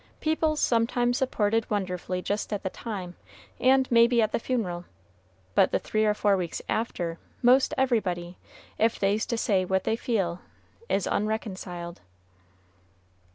People's sometimes supported wonderfully just at the time, and maybe at the funeral; but the three or four weeks after, most everybody, if they's to say what they feel, is unreconciled."